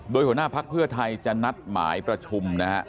โดยหัวหน้าพักเพื่อไทยจะนัดหมายประชุมนะฮะ